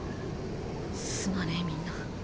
すまねえみんな。